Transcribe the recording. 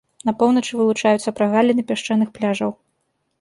На поўначы вылучаюцца прагаліны пясчаных пляжаў.